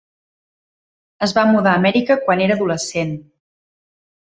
Es va mudar a Amèrica quan era adolescent.